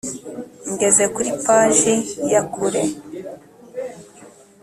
Ngeze kuri paji yakure